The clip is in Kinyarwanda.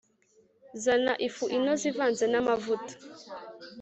Zana ifu inoze ivanze n’amavuta